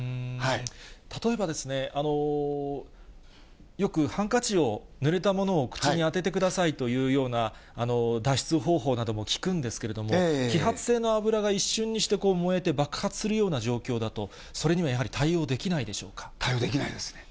例えば、よくハンカチを、ぬれたものを口に当ててくださいというような脱出方法なども聞くんですけれども、揮発性の油が一瞬にして燃えて爆発するような状況だと、それには対応できないですね。